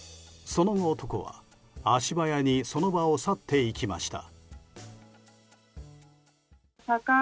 その後、男は足早にその場を去っていきました。